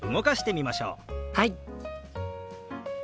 はい！